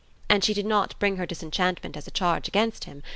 And she did not bring her disenchantment as a charge against him.